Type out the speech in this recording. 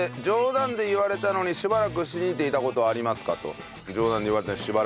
冗談で言われたのにしばらく信じていた事ありますか？